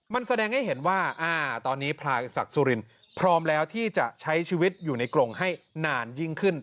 มันแสดงให้เห็นว่าตอนนี้พลายศักดิ์สุรินพร้อมแล้วที่จะใช้ชีวิตอยู่ในกรงให้นานยิ่งขึ้น